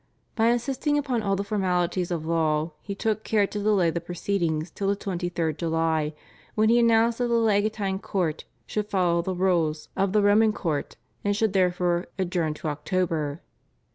By insisting upon all the formalities of law he took care to delay the proceedings till the 23rd July, when he announced that the legatine court should follow the rules of the Roman court, and should, therefore, adjourn to October.